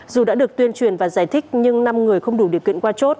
dù đã được tuyên truyền và giải thích nhưng năm người không đủ điều kiện qua chốt